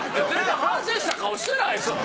反省した顔してないです。